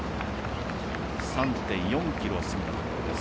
３．４ｋｍを過ぎたところです。